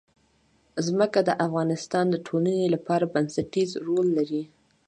ځمکه د افغانستان د ټولنې لپاره بنسټيز رول لري.